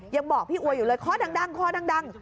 ยังบอกพี่อวยอยู่เลยคอดัง